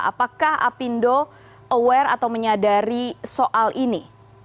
apakah apindo aware atau menyadari soal ini